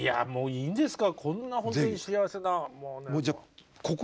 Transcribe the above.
いいですか？